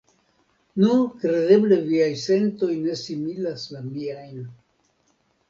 Nu, kredeble viaj sentoj ne similas la miajn.